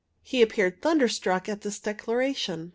He appeared thunderstruck at this declaration.